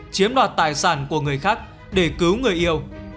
chiếm đoạt tài sản của người khác để cứu người yêu